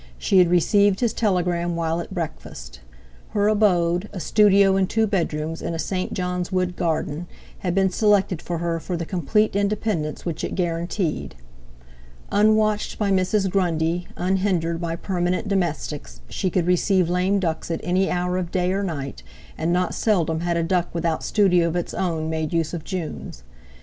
She had received his telegram while at breakfast. Her abode—a studio and two bedrooms in a St. John's Wood garden—had been selected by her for the complete independence which it guaranteed. Unwatched by Mrs. Grundy, unhindered by permanent domestics, she could receive lame ducks at any hour of day or night, and not seldom had a duck without studio of its own made use of June's.